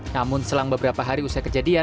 namun selang beberapa hari usai kejadian